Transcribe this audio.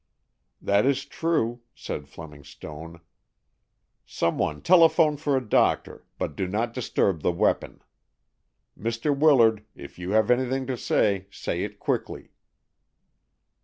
"That is true," said Fleming Stone. "Some one telephone for a doctor, but do not disturb the weapon. Mr. Willard, if you have anything to say, say it quickly."